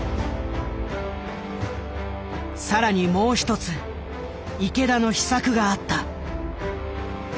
更にもう一つ池田の秘策があった。